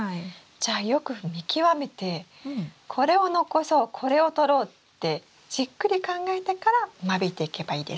じゃあよく見極めてこれを残そうこれを取ろうってじっくり考えてから間引いていけばいいですね？